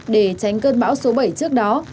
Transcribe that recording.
để tránh cơn bão số bảy trước đó